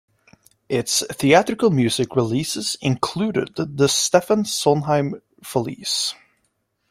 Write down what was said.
Its theatrical music releases included the Stephen Sondheim Follies.